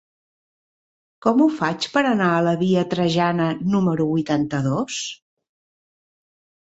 Com ho faig per anar a la via Trajana número vuitanta-dos?